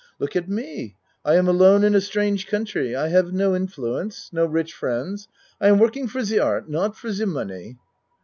Look at me I am alone in a strange country. I have no influence no rich friends. I am working for ze art not for ze money.